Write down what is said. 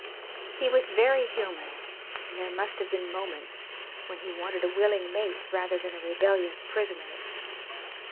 He was very human, and there must have been moments when he wanted a willing mate rather than a rebellious prisoner.